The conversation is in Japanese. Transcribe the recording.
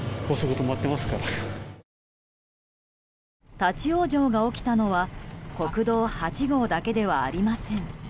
立ち往生が起きたのは国道８号だけではありません。